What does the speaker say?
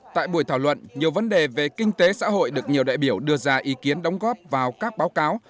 tại buổi thảo luận nhiều vấn đề về kinh tế xã hội được nhiều đại biểu đưa ra ý kiến đóng góp vào các báo cáo